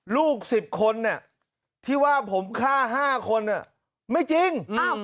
ลูก๑๐คนที่ว่าผมฆ่า๕คนไม่จริง